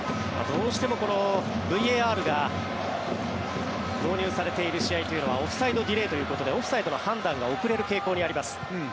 どうしてもＶＡＲが導入されている試合はオフサイドディレイということでオフサイドの判断が遅れる傾向にあります。